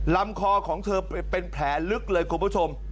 ลำคอของเธอเป็นแผลลึกเลยคุณผู้ชม